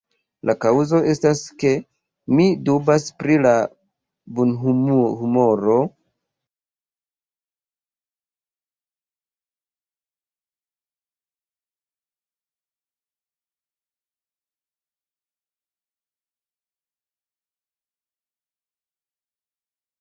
Dum en aliaj epizodoj aperas tute franca stilo.